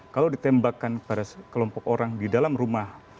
kalau ditembakkan pada kelompok orang di dalam rumah